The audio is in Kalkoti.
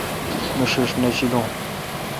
مہ ݭݭ نہ شیلوں۔